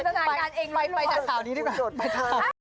สมจิตรรายการเองไปจากข่าวนี้ดีกว่าไปค่ะไป